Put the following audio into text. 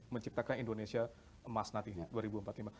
menciptakan indonesia emas nanti